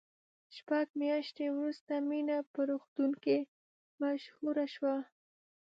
شپږ میاشتې وروسته مینه په روغتون کې مشهوره شوه